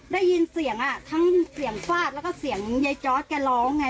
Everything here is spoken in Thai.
ได้ยินเสียงทั้งเสียงฟาดแล้วก็เสียงยายจอร์ดแกร้องไง